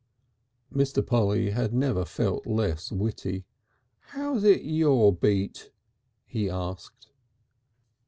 Mr. Polly had never felt less witty. "How's it your beat?" he asked.